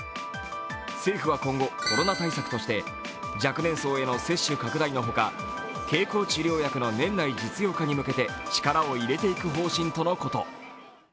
政府は今後、コロナ対策として若年層への接種拡大のほか、経口治療薬の年内実用化に向けて力を入れていく方針とのこと。